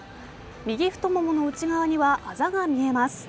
右太ももの内側にはあざが見えます。